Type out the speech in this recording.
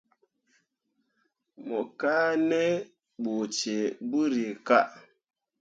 Mo kaa ne ɓu cee ɓǝrrikah.